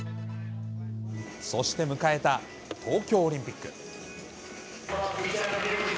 そして迎えた東京オリンピック。